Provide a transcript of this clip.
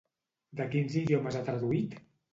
De quins idiomes ha traduït?